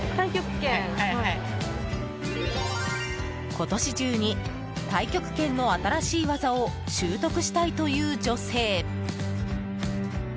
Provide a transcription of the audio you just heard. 今年中に太極拳の新しい技を習得したいという女性。